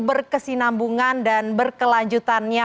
berkesinambungan dan berkelanjutannya